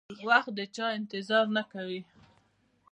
وخت د چا انتظار نه کوي.